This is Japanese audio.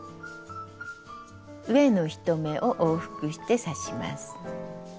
上の１目を往復して刺します。